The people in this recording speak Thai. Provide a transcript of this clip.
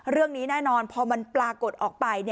เรื่องนี้แน่นอนพอมันปรากฏออกไป